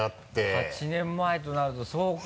８年前となるとそうか。